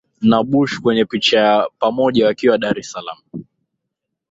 na Bush kwenye picha ya pamoja wakiwa Dar es salaam